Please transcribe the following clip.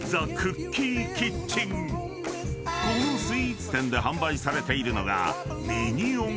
［このスイーツ店で販売されているのが］